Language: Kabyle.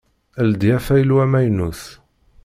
Ldi afaylu amaynut.